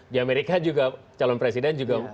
di amerika juga calon presiden juga